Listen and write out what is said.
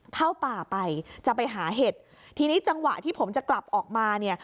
เข้าป่าไปจะไปหาเห็ดทีนี้จังหวะที่ผมจะกลับออกมาเนี่ย